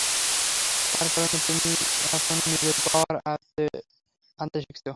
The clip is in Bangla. তার কারণ তুমি এখনও নিজের পাওয়ার আয়ত্বে আনতে শিখছো।